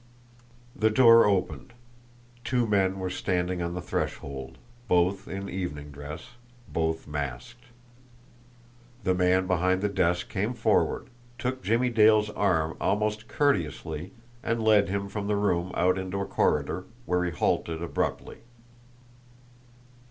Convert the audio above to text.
The door opened. Two men were standing on the threshold, both in evening dress, both masked. The man behind the desk came forward, took Jimmie Dale's arm almost courteously, and led him from the room out into a corridor, where he halted abruptly.